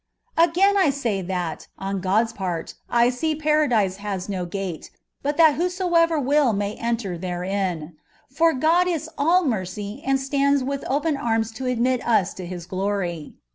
Again I say that, on God's part, I see paradise has no gate, bui that whosoever will may enter therein ; for Grod is ali mercy, and stands with open arms to admit us to His gloiy.